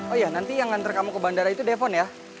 oh iya nanti yang nganter kamu ke bandara itu devan ya